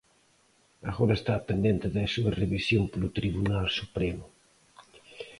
Agora está pendente da súa revisión polo Tribunal Supremo.